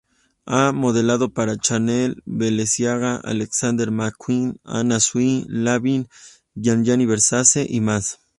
Ha modelado para Chanel, Balenciaga, Alexander McQueen, Anna Sui, Lanvin, Gianni Versace, y más.